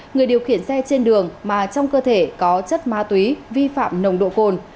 người điều khiển xe trên đường mà trong cơ thể có chất ma túy vi phạm nồng độ cồn